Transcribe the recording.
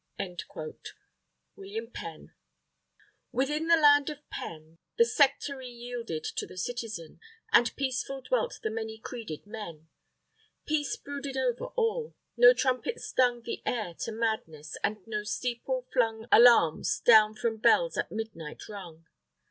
_ WILLIAM PENN Within the Land of Penn, The sectary yielded to the citizen, And peaceful dwelt the many creeded men. _Peace brooded over all. No trumpet stung The air to madness, and no steeple flung Alarums down from bells at midnight rung.